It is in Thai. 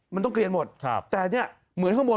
มันต้องเกลียนหมดครับแต่เนี่ยเหมือนข้างบน